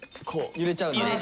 揺れちゃうんだ。